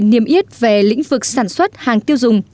niềm yết về lĩnh vực sản xuất hàng tiêu dùng